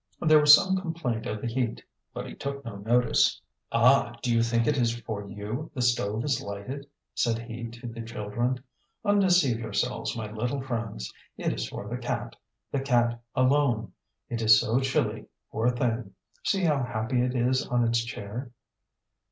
There was some complaint of the heat, but he took no notice. ŌĆ£Ah! do you think it is for you the stove is lighted? ŌĆØ said he to the children. ŌĆ£Undeceive yourselves, my little friends: it is for the cat, the cat alone. It is so chilly, poor thing; see how happy it is on its chair.